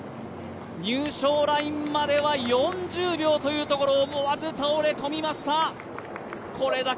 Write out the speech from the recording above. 入賞ラインまでは４０秒というところ、思わず倒れ込みました。